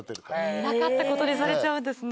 いなかったことにされちゃうんですね。